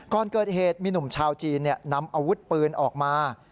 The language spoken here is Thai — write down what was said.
ก่อนเกิดเหตุมีหนุ่มชาวจีนนำอาวุธปืนออกมา